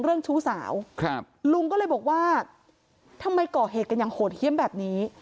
ชู้สาวครับลุงก็เลยบอกว่าทำไมก่อเหตุกันอย่างโหดเยี่ยมแบบนี้